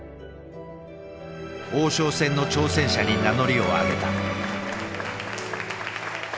王将戦の挑戦者に名乗りを上げた。